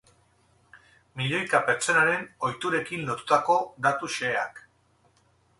Milioika pertsonaren ohiturekin lotutako datu xeheak.